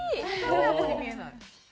絶対親子に見えない。